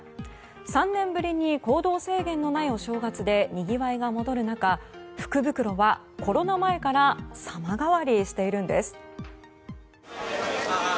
３年ぶりに行動制限のないお正月でにぎわいが戻る中福袋はコロナ前から様変わりしているんです。